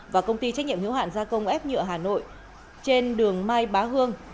và công ty trách nhiệm hiếu hạn gia công ép nhựa hà nội trên đường mai bá hương